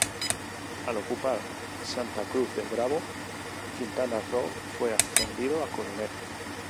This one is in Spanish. Al ocupar Santa Cruz de Bravo, Quintana Roo fue ascendido a coronel.